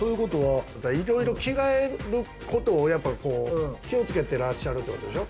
いろいろ着替えることを気をつけてらっしゃるっていうことでしょ。